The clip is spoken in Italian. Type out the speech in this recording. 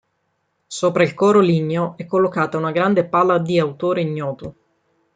Sopra il coro ligneo è collocata una grande pala di autore ignoto.